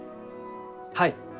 はい。